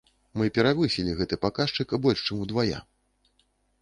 Мы перавысілі гэты паказчык больш чым удвая!